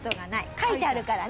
書いてあるからね。